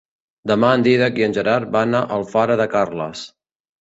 Demà en Dídac i en Gerard van a Alfara de Carles.